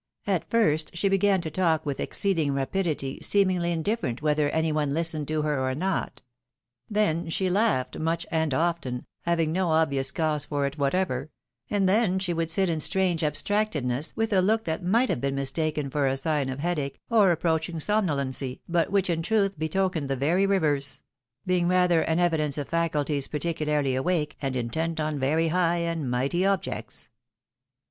At first she began to talk with exceeding rapidity, seemingly indifierent whether any one listened to her or not. Then she laughed, much and often, having no obvious cause for it whatever ; and then she would sit in strange abstractedness, with a look that might have been mistaken for a sign of headache, or approach ing somnolency, but which in truth betokened the very reverse ; being rather an evidence of faculties particularly awake, and intent on very high and mighty objects.